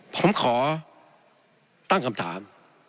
ผมขอตั้งคำถาม